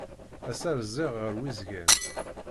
Ass-a rziɣ ɣer Wizgan.